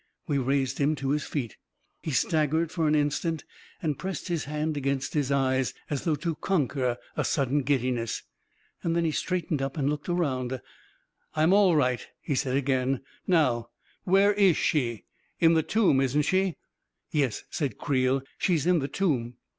We raised him to his feet He staggered for an instant and pressed his hand against his eyes, as though to conquer a sudden giddiness. Then he straightened up and looked around. " I'm all right I " he said again. " Now — where is she? In the tomb, isn't she? "" Yes," said Creel; " she's in the tomb."